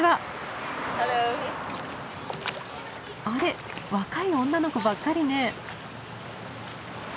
あれ若い女の子ばっかりね。